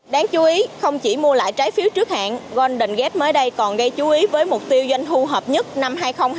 đáng chú ý không chỉ mua lại trái phiếu trước hạn golden gate mới đây còn gây chú ý với mục tiêu doanh thu hợp nhất năm hai nghìn hai mươi